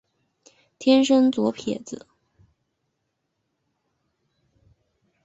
天生左撇子。